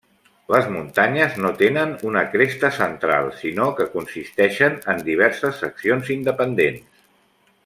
Les muntanyes no tenen una cresta central sinó que consisteixen en diverses seccions independents.